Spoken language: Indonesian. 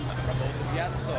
ya kan bapak ibu soegiato